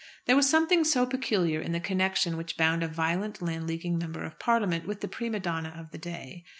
There was something so peculiar in the connection which bound a violent Landleaguing Member of Parliament with the prima donna of the day.